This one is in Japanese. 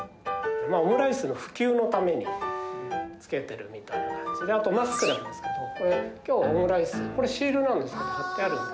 オムライスの普及のためにつけてるみたいな感じで、あとマスクなんですけど、これ、きょうオムライス、これシールなんですけど、貼ってある。